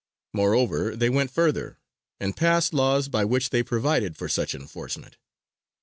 Moreover, they went further, and passed laws by which they provided for such enforcement.